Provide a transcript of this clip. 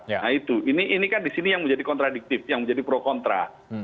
nah itu ini kan disini yang menjadi kontradiktif yang menjadi pro contra